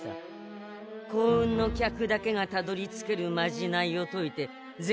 幸運の客だけがたどりつけるまじないをといて銭